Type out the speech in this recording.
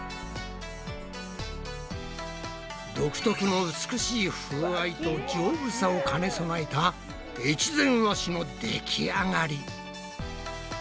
独特の美しい風合いと丈夫さを兼ね備えた越前和紙のできあがり。